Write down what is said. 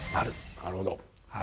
なるほど。